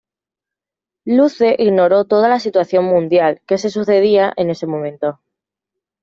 Luce ignoró toda la situación mundial que se sucedía en ese momento.